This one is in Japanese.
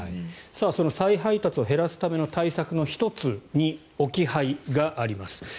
その再配達を減らすための対策の１つに置き配があります。